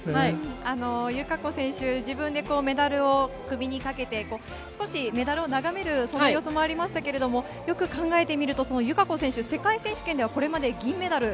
友香子選手、自分でメダルを首にかけて、少しメダルを眺める、そんな様子もありましたけれども、よく考えてみると、友香子選手、世界選手権ではこれまで銀メダル。